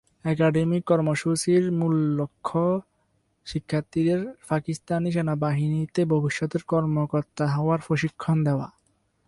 Academic কর্মসূচির মূল লক্ষ্য 'ল শিক্ষার্থীদের পাকিস্তানি সেনাবাহিনীতে ভবিষ্যতের কর্মকর্তা হওয়ার প্রশিক্ষণ দেওয়া।